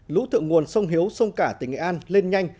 lũ thượng nguồn sông hiếu sông cả tỉnh nghệ an lên nhanh